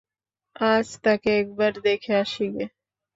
আজ তাকে একবার দেখে আসি গে।